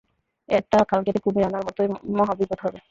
এটা খাল কেটে কুমির আনার মতই মহাবিপদ হবে।